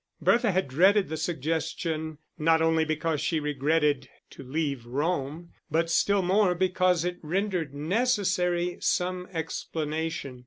Bertha had dreaded the suggestion, not only because she regretted to leave Rome, but still more because it rendered necessary some explanation.